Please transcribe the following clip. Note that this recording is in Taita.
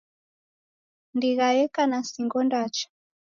Ndigha yeka na singo ndacha